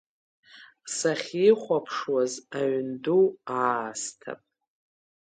Сахьихәаԥшуаз, аҩн ду аасҭа?